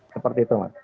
seperti itu mas